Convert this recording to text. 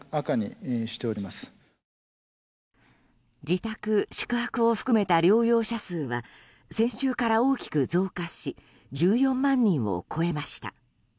自宅・宿泊を含めた療養者数は先週から大きく増加し１４万人を超えました。